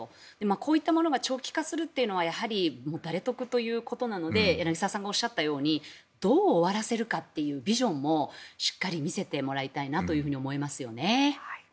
こういったものが長期化するというのは誰得ということなので柳澤さんがおっしゃったようにどう終わらせるかというビジョンもしっかり見せてもらいたいなと思いますよね。